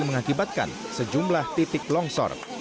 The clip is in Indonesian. mengakibatkan sejumlah titik longsor